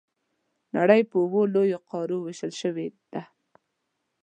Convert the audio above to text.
نړۍ په اووه لویو قارو وېشل شوې ده.